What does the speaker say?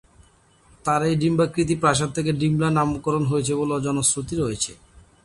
তার এই ডিম্বাকৃতি প্রাসাদ থেকে ডিমলা নামকরণ হয়েছে বলে জনশ্রুতি রয়েছে।